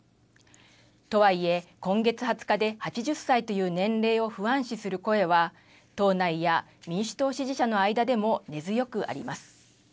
とはいえ、今月２０日で８０歳という年齢を不安視する声は党内や民主党支持者の間でも根強くあります。